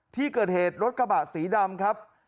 ที่เกิดเหตุรถกระบะสีดำครับ